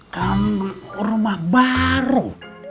kamu rumah baru